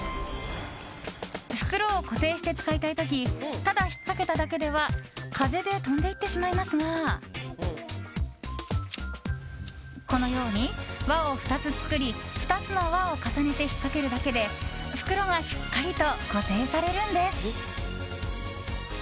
袋を固定して使いたい時ただ引っかけただけでは風で飛んでいってしまいますがこのように輪を２つ作り２つの輪を重ねて引っかけるだけで袋がしっかりと固定されるんです。